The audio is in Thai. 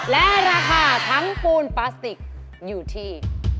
และราคาทั้งปูนพลาสติกอยู่ที่